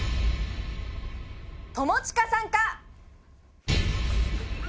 友近さんか。